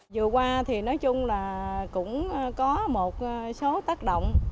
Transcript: vừa qua thì nói chung là cũng có một số tác động